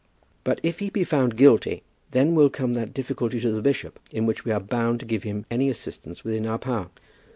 "But if he be found guilty, then will come that difficulty to the bishop, in which we are bound to give him any assistance within our power."